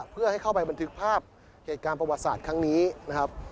เพื่อให้เข้าไปบันทึกภาพเหตุการณ์ประวัติศาสตร์ครั้งนี้นะครับ